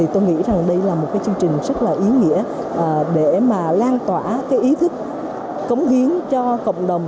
tôi nghĩ đây là một chương trình rất ý nghĩa để lan tỏa ý thức cống hiến cho cộng đồng